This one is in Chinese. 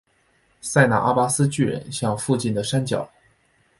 塞那阿巴斯巨人像附近的山脚。